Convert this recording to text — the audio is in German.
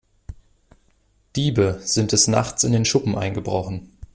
Diebe sind des Nachts in den Schuppen eingebrochen.